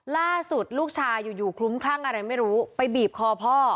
ล่าสุดลูกชายอยู่คลุ้มคลั่งอะไรไม่รู้ไปบีบคอพ่อ